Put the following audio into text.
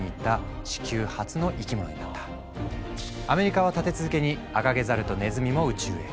アメリカは立て続けにアカゲザルとネズミも宇宙へ。